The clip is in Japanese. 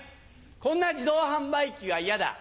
こんな自動販売機は嫌だ。